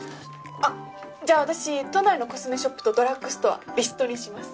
あっじゃあ私都内のコスメショップとドラッグストアリストにします。